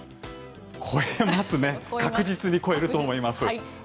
超えますね確実に超えると思います。